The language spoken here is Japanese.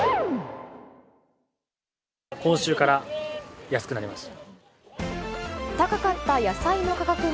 今週から安くなりました。